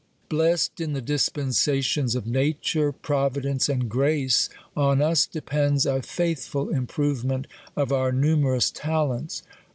Blest in the dispensations of nature, providence, and grace, on us depends a faithful improvement of our nu merous talents.